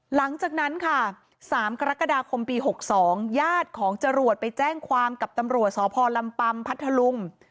หลังจากนั้นค่ะ๓กรกฎาคมปี๖๒ญาติของจรวดไปแจ้งความกับตำรวจสพลำปัมพัทธลุง